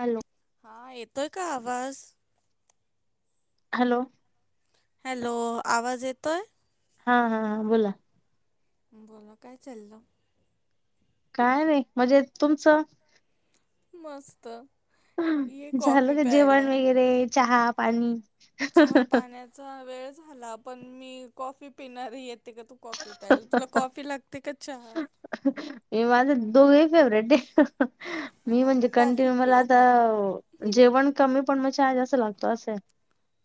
Hello हा येतोय का आवाज हॅलो हॅलो आवाज येतोय हा हा हा बोला बोला काय चाललं काय नाही म्हणजे तुमचं मस्त हा. ये झालं कॉफी का जेवण प्यायला. वगैरे चहा पाणी चहा पाण्याचा वेळ झाला पण मी कॉफी पिणारीये येते का तू कॉफी प्यायला तुला कॉफी लागते का चहा मी माझं दोघे फेवरेट आहे ह ह. मी हा मग म्हणजे कॉफी कंटिन्यू पिऊ मला आता ओपन. जेवण कमी पण मला चहा जास्त लागतो असं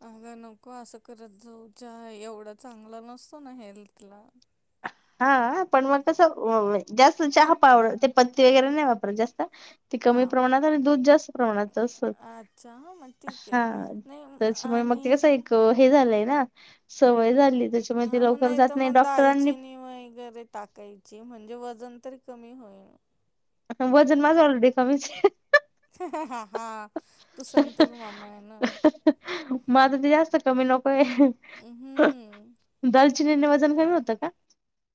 अग नको असं करत जाऊ चहा एवढा चांगला नसतो ना हेल्थला हा पण मग कसं व व जास्त तू चहा पाव ते पत्ती वगैरे नाही वापरत जास्त ती हा कमी प्रमाणात आणि दूध जास्त प्रमाणात असतो अच्छा हां मग ठीक आहे. हा नाही त्याच्यामुळे मग ते आणि कस एक हे झालंय ना सवय झाली त्याच्यामध्ये हा ते मग लवकर जात तर नाही मग डॉक्टरांनी दालचिनी वगैरे टाकायची म्हणजे वजन तरी कमी होईल वजन माझं ऑलरेडी कमीच हे ह.. ह ह हा हा हा तो संतोष मामा आहे ना म ते जास्त कमी नक पण हे हम्म. ह दालचिनीन वजन कमी होतं का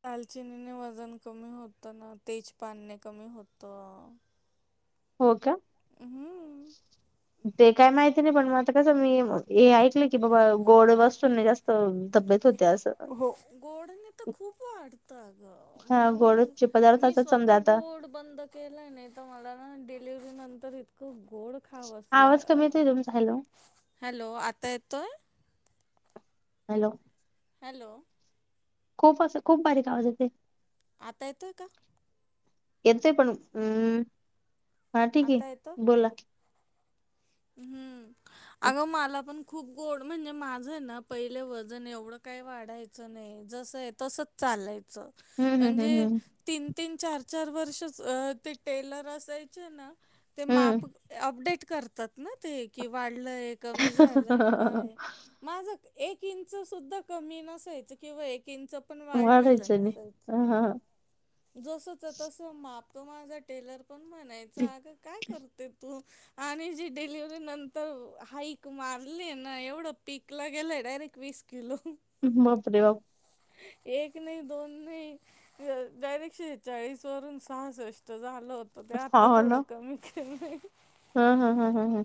दालचिनीने व कमी होतं ना तेजपान ने कमी होतं हो का हम्म ते काय माहिती नाही पण मग आता कसं मी हे ऐकलं की बाबा गोड वस्तूनी जास्त तब्येत होती हो गोडने तर खूप वाढतं ग हा म्हणजे मी गोडचे मी पदार्थाचा समजा स्वतः गो आता गोड बंद केलय ना तर मला ना डिलिव्हरी नंतर इतकं गोड खावस ला आवाज अ. कमी येतोय तुमचा हॅलो हॅलो आता येतोय हॅलो हॅलो खूप असं खूप बारीक आवाज येतोय आता येतोय का येतय पण हम हा ठीक आहे आता येतो? बोला हम्म अगं माला पण खूप गोड म्हणजे माझं ना पहिले वजन एवढं काही वाढायचं नाही जसं आहे तसंच चालाय चं हम्म हम्म म्हणजे हम्म तीन तीन चार चार वर्ष ते टेलर असायचे ना ते हम्म माप. अपडेट करतात ना ते की वाढलय कमी झालंय हम्म काय माझ एक इंच सुद्धा कमी नसायचं किंवा एक इंच पण वाढले वाढायचं नाही नसायच हा हा जस च्या तस माप तो माझा टेलर पण म्हणायचा अग काय करते तू आणि जे डिलिव्हरी नंतर हाईक मारली ना एवढं पीकला गेलंय डायरेक्ट वीस किलो बापरे बाप एक नाही दोन नाही डयरेक्शेेचाळीस वरून सासष्ट जा होत ते आत्ता थोडं कमी केलं नाही. हम् हम् हम हम हम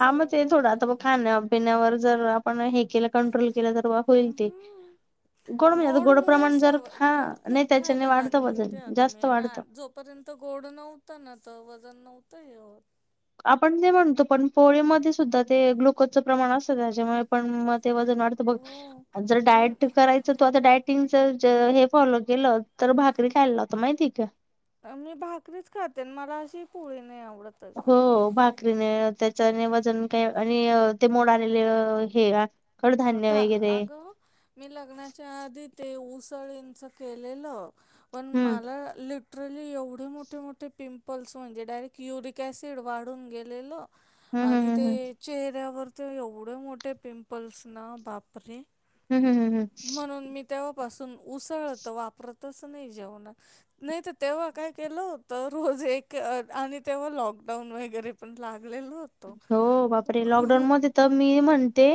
हा मग ते थोडा आता खाण्या पिण्यावर जर आपण हे के कंट्रोल के तर होईल ते म्हणजे आता गोड मु प्रमाण स जर हा गोड नाही खूप त्याच्याने खायला वाढतं लागले वजन होते अग जास्त मे ना वाढतं. जोपर्यंत गोड नव्हतं ना तर वजन नव्हतं हे. आपण ते म्हणतो पण पोळीमध्ये सुद्धा ते ग्लुकोजचं प्रमाण असतं त्याच्यामुळे पण म ते वजन वाटत बघ हो जर मग डायट करायचं त आता डायटिंग. हे फॉलो केलं तर भाकरी खायला लावत माहिती का मी भाकरीच खातेन मला अशी पोळी नाही आवडत. अगं हो भाकरीने त्या. वजन काय आणि ते मोड आलेले हे अ कडधान्य द वगैरे अगं मी लग्नाच्या आधी ते उसळींच केलेलं पण हम्म मला लिफ्ट एवढे मोठे मोठे पिंपल्स झाले म्हणजे डायरेक्ट युरिक ऑसिड वाढून गेलेलं. हम्म आणि हम्म हम्म ते हम्म चेहऱ्यावर ते एवढे मोठे पिंपल्स ना बापरे हम्म, हम्म, हम्म, हम्म. पासून उसळत वापरतच नाही जेवण नाही तर तेव्हा काय केलं होत रोज. जे आणि तेव्हा लकडाऊन वैगरे पण लाग हो बापरे लॉकडाऊन मध्ये तर मी म्हण ते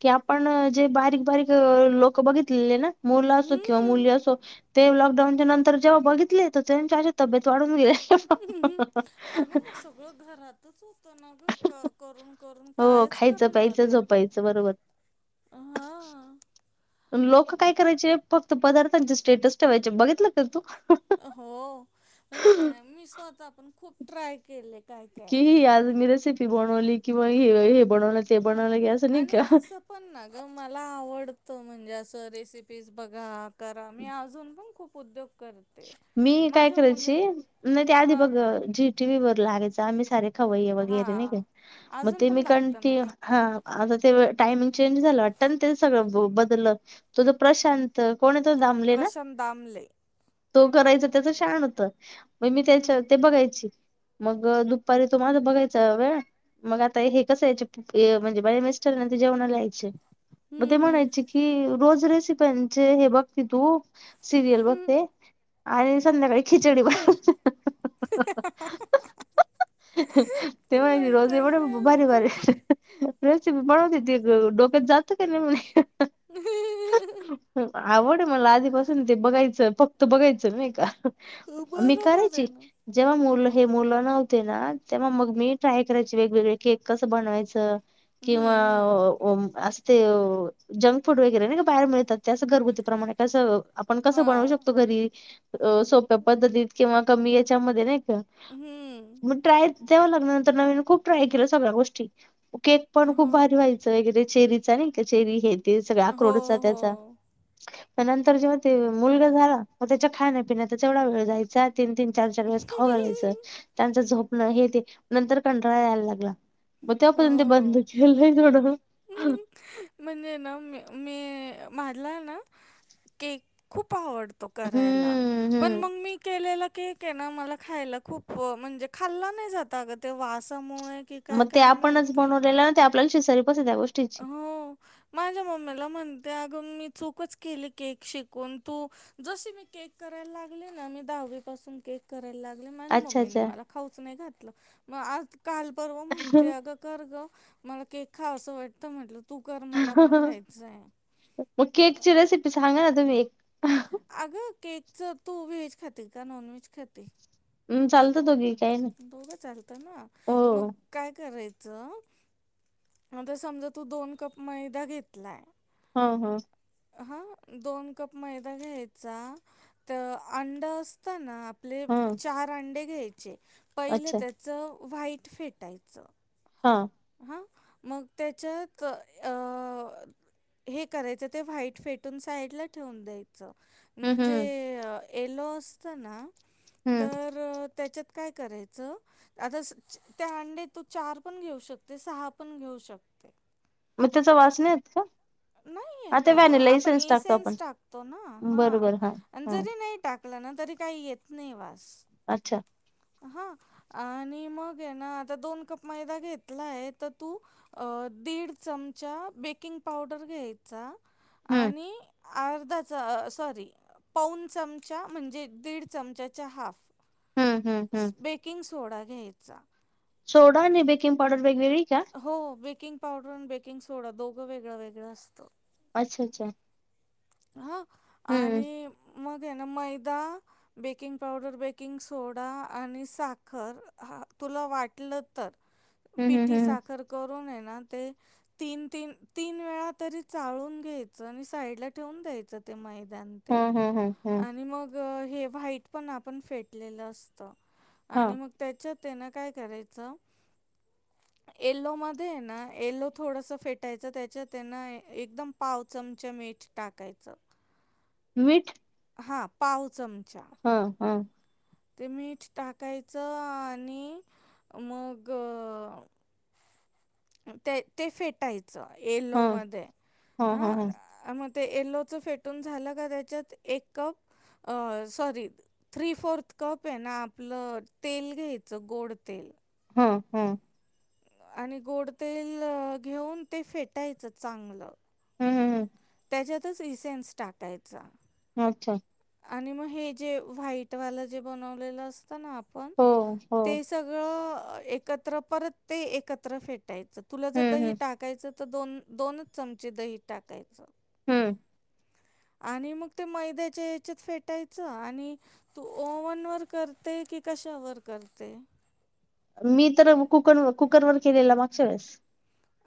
की आपण जे बारीक बारीक लोक बघितलेले ना. मुलं असो किंवा हम्म. मुली असो ते लॉकडाऊनच्या नंतर जेव्हा बघितले तर त्यांच्याशी तब्येत वाढ हा हा अगं हा मग सगळं घरातच होतं ना ग करून करून हो कायच खायचं करणार प्यायचं येत झोपायचं बरोबर लोक काय करायचे फक्त पदार्थ स्टेटस ठेवायचे बघितलं का तू हो म्हणजे मी स्वतः पण खूप ट्राय केले काय काय. कि ह आज मी रेसिपी बनवली किंवा हे बनवलं ते हा बनवलं की असं नाही आणि का असं पण ना ग मला आवड तो म्हणजे असं रेसिपीज बघा करा मी अजून पण खूप उद्योग करते मी काय माझ्या करायची मुलीला नाही ते आधी हा बघ जी टी व्ही वर लागायच आमही सार खवय हा वगैरे नाही का मग अजून ते पण मी का लागतं ना हा आता ते टायमिंग चेंज झालं वाट ते सगळं बदल तुझ प्रशांत कोण येत ाबले ना प्रशांत दामले तो करायचा त्याच शान होतं मग मी त्याच्या हम्म ते बघायची मग दुपारी तो माझा बघायचा वेळ. मग आता हे कसं यायचे म्हणजे बाहेया मिस्टरानचे ते जेवणाला यायचे. मग ते हम्म म्हणायची कि रोज रेसिप्यांचे हे बघते तू सिरियल हम्म बघते आणि संध्याकाळी खिचडी बघते हा हा तेव्हा रोजे एवढ वैतागले भारी भारी असतील रेसिपी बनवते ती डोक्यात जातं काय नाही म्ह हम् आवड मला आधीपासून ते बघायचं फक्त बघायचं नाही का मी बरोबर करायची आहे ना जेव्हा मुलं हे मुलं नव्हते ना तेव मग मी ट्राय करायची वेगवेगळे केक कसं बनवायचं किंवा हम्म हम्म असं ते जंक फूड वगैरे ना का बाहेर मिळतात त्यास घरगुती प्रमाणे कसं आपण कसं हा बनवू शकतो घरी अ सोप्या पद्धतीत किंवा कमी याच्यामध्ये नाही का हम्म मग ट्राय तेव लागनंतर नवीन खूप ट्राय केलं सगळ्या गोष्टी केक पण हो खूप भारी व्हायचं वगैरे चेरी कचेरी हे ते सग हो आक्रोडचा हो त्याचा प नंतर जेव्हा ते मुलगा झाला. मग त्याच्या खाण्यापिण्याचा तेवढा वेळ जायचा तीन तीन चार चार वेस खऊ घालायचं त्यांचा झोप हे ते नंतर कंटाळा यायला लागला मग त्यापर्यंत ते बंद हो केलं थोडं म्हणजे ना मी म्हझला ना के खूप आवडतै करायला हम्म पण हम्म मग मी केलेल्या ठीक आहे ना मला खायला खूप म्हणजे खाल्ला नाही जाता का ते वासामुळे की काय मग ते काय आपणच माहिती. बनवलेलं ना ते आपल्या श सरी हो माझ्या मम्मीला म्हण त्या अग मी चूकच केली केक शिकून तू जशी मी केक करायला लागले ना मी दा कराय लागले ना माझ्या अच्छा मम्मीने अच्छा मला खाऊच नाही घातलं कालपर्व म्हणते अ ग कर ग मला केक खावासा असं वाटत म्हटलं तू कर मला पण खायचं आहे. मग केकची रेसिपी सांगा ना तुम्ही एक अग केक च तू वेहेज खातात का नॉन वेहेज खातात हम् चालत दोघी काही नाही दोघं चालतं ना हो मग काय करायच ंत समजा तू दोन कप मैदा घेतलाय हा हा हा दोन कप मैदा घ्यायचा तर अंड असता ना आपले हा चार अंडे घ्यायचे पहिले अच्छा त्याच व्हाईट फेटायचं हा मग त्याच्यात अ हे करायचं ते व्हाईट फेटून साईड ला ठेवून द्यायच हम्म म्हणजे हम्म येलो असताना हम्म तर त्याच्यात काय करा आता त्या अंडे तो चार पण घेऊ शकतो ते सहा पण घेऊ शकते मग त्याचा वाच नाही आहेत का नाही येत आता ग व्हॅनिला आपण इसेन्स टाकतो आपण एसन्स टाकतो ना बरोबर हा हा जरी नाही टाक ना तरी काही येत नाही वा. अच्छा. हा आणि मग आहे ना आता दोन कप मैदा घेतला आहे तर तू दीड चमचा बेकिंग पावडर घ्यायचा हम्म आणि अर्धाचा सॉरी. पाऊण चमचा म्हणजे दीड चमचाचा हाफ. हम्म हम्म हम्म बेकिंग सोडा घ्यायचा. सोडा न बेकिंग पवडर बेगवेेगरी हो बेकिंग पावडर आणि बेकिंग सोडा दोघं वेगळं वेगळं असतं. अच्छा अच्छा. हा हम्म आणि मग ना मैदा बेकिंग पावडर बेकिंग सोडा आणि साखर हा. तुला वाटलं तर हम्म पिठी हम्म साखर करून तीन-तीन ते तीन वेळा तरी चाळून घ्यायचं आणि साईडला. ठेून द्यायच ते मैद ते हम्म हम्म हम्म हम्म हम्म आणि मग हे व्हाईट पण आपण फेटलेलं असत हा आणि मग त्याच्यात त्यांना काय करायचं. [inaudible] येल्लो मध्ये ना येल्लो थोडस फेटायचं त्याच्यात ना एकदम पाव चमचा मीठ. टाकायचं. मीठ. हा पाऊस हा हा. ते मीठ टाकायचं आणि मग ते ते फेटायचं येलो हा मध्ये हा हा हा अ म ते एल्लोच फेटून झालं का त्याच्यात एक कप. अ सॉरी थ्री फोर्थ कप आहे ना आपलं तेल घ्यायचं गोड तेल हा हा. आणि गोड तेल घेऊन ते फेटायचं चागलं. हम्म हम्म त्याच्यातच इसेन्स टाकायचं. अच्छा. आणि मग हे जे व्हाईट वाल जे बनवलेलं असतं ना आप पण हो हो ते सगळं एकत्र परत ते एकत्र फेट. तुला जर हम्म दही हम्म टाकायचं तर दोन दोनच चमचे दही टाकायचं. हम. आणि मग ते मैद्याच्या ह्याच्यात फेटायचं आणि तू ओव्हन वर करते. की कशावरर करते. मी तर कुकर कुकर वर केलेला भात सारस.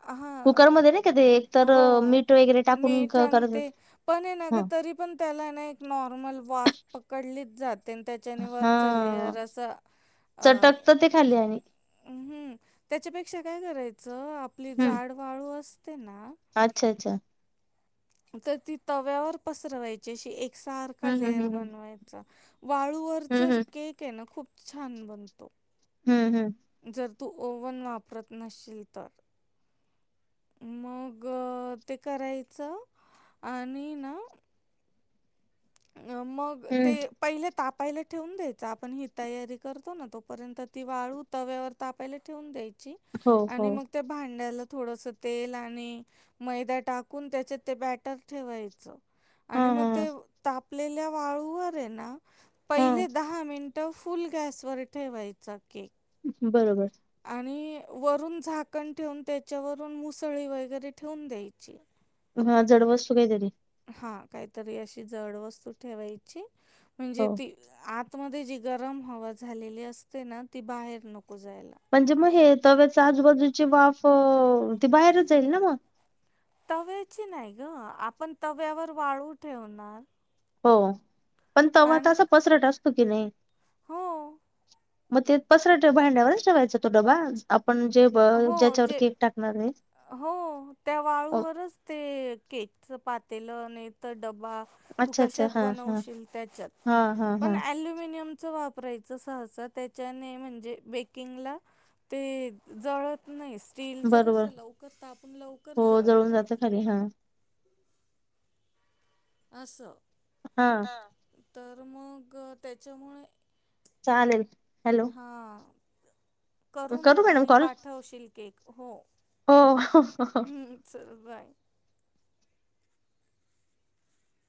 हां, कुकरमध्ये नाही का ते एक तर हो. मीठ टाकून मीठ क- ते करत पण हे ना ह तरी पण त्याला ना एक नॉर्मल वाफ पकडलीच जाते. आणि त्याच्याने वर हा चालले यार असं अ चटकत ते खाली आणि हम्म त्याच्यापेक्षा काय करायचं आपली हम्म जाड वाळू असते ना. अच्छा अच्छा! तर ती तव्यावर पसरवायची अशी एक सारखा हम्म हम्म लेअर हम्म बनवायचा. वाळूवरच हम्म हम्म केक आहे ना खूप छान बनतो हम् हम. जर तू ओव्हन वापरत नशील तर मग ते करायचं आणि ना. मग ते हम्म पहिले ताप पहिलं ठेवून द्यायच आपण ही तयारी करतो ना तोपर्यंत ती वाळू तव्यावर तापायला ठेवून द्यायची. ची, हो हो आणि मग त्या भांड्याला थोडंसं तेल आणि मैदा टाकून त्याच्यात ते बॅटर ठेवायचं. हा आणि म हा ते तापलेल्या वाळूवर हे ना पहिले हा दहा मिन ट फुल गॅसवर ठेवायचा केक. बरोबर. आणि वरून झाकण ठेवून त्याच्यावरून मुसळी वगैरे ठेवून द्यायची. हां जडवस्तू काहीतरी. हां काहीतरी अशी जड वस्तू ठेवायची. म्हणजे हो ती आत त मध्ये जी गरम हवा झालेली असते ना ती बाहेर नको जाय म्हणजे म हे तव्याचं आजूबाजूची वाफ ती बाहेरच जाईल ना म. तव्याची नाही गं. आपण तव्यावर वाळू ठेवणार. हो, पण तवा त आणि पसरट असतो की नाही. हो, म ते पसरट भांड्यावरच ठेवायचा तो डबा आपण जे ब हो, ज्याच्यावर जे केक टाकणार आहे. हो, त्या ओ वाळूवरच ते केकचं पातेलं नाही तर तवा तू अच्छा अच्छा कशात हा हा बनवशील त्याच्यात. हा हा पण हा अल्युमिनियम च वापरायचं सहसा त्याच्याने म्हणजे बेकिंगला ते जळत नाई, स्टीलचं जस बरोबर लवकर तापून लवकर हो जळून जळतं. जातं खाली हा असं हां तर मग त्याच्यामुळे चालेल. हॅलो हां करून करू मॅडम आणि कॉल पाठवशील केक हो. हो हम् च बाय.